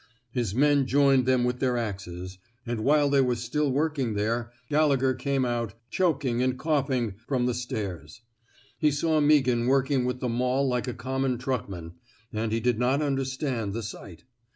His men joined them with their axes ; and 232 A QUESTION OF EETIEEMENT while they were still working there, Galle gher came out, choking and coughing, from the stairs. He saw Meaghan working with the maul like a common truckman, and he did not understand the sight.